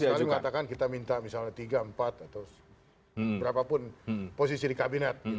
tanpa sama sekali mengatakan kita minta misalnya tiga empat atau berapapun posisi di kabinet